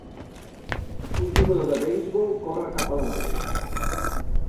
Un jugador de beisbol corre cap a la base.